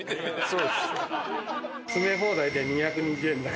そうです。